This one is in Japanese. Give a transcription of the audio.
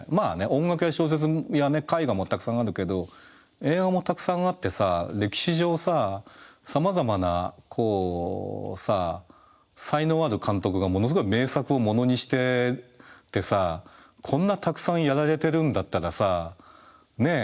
音楽や小説や絵画もたくさんあるけど映画もたくさんあってさ歴史上さまざまな才能ある監督がものすごい名作をものにしててさこんなたくさんやられてるんだったらさねえ